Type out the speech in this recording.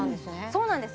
そうなんです